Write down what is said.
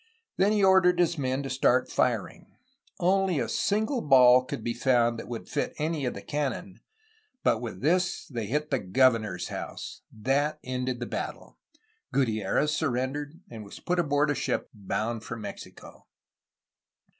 Then he ordered his men to start firing. Only a single ball could be found that would fit any of the cannon, but with this they hit the governor's house. That ended the battle! Gutierrez surrendered, and was put aboard a ship bound for Mexico.